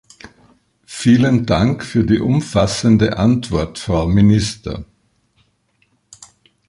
Vielen Dank für die umfassende Antwort, Frau Minister!